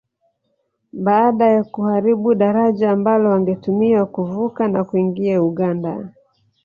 Baada ya kuharibu daraja ambalo wangetumia kuvuka na kuingia Uganda